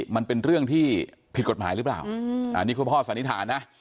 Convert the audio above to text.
มันเป็นเรื่องที่ผิดกฎหมายหรือเปล่าอันนี้คุณพ่อสันนิษฐานนะ